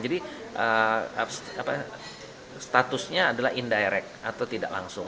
jadi statusnya adalah indirect atau tidak langsung